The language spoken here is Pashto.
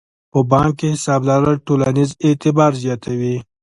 په بانک کې حساب لرل ټولنیز اعتبار زیاتوي.